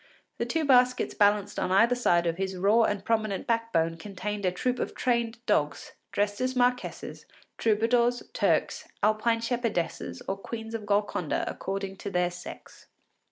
The two baskets balanced on either side of his raw and prominent backbone contained a troupe of trained dogs, dressed as marquesses, troubadours, Turks, Alpine shepherdesses, or Queens of Golconda, according to their sex.